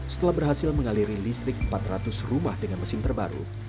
setelah berhasil mengaliri listrik empat ratus rumah dengan mesin terbaru